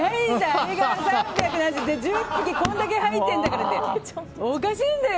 あれが３７４円で１１匹こんだけ入ってるんだからおかしいんだよ！